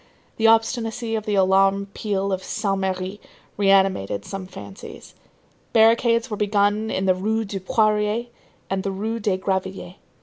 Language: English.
The obstinacy of the alarm peal of Saint Merry reanimated some fancies. Barricades were begun in the Rue du Poirier and the Rue des Gravilliers.